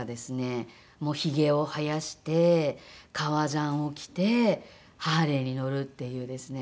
ひげを生やして革ジャンを着てハーレーに乗るっていうですね。